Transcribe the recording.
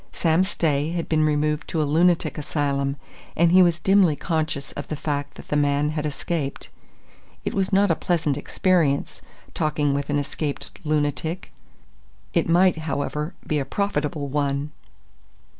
Sam Stay had been removed to a lunatic asylum, and he was dimly conscious of the fact that the man had escaped. It was not a pleasant experience, talking with an escaped lunatic. It might, however, be a profitable one.